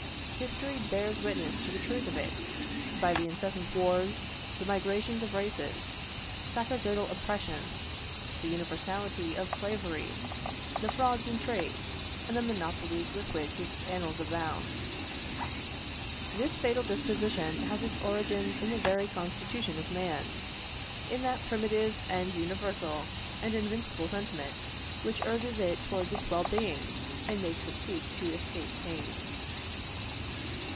History bears witness to the truth of it, by the incessant wars, the migrations of races, sacerdotal oppressions, the universality of slavery, the frauds in trade, and the monopolies with which its annals abound. This fatal disposition has its origin in the very constitution of man in that primitive, and universal, and invincible sentiment which urges it towards its well being, and makes it seek to escape pain.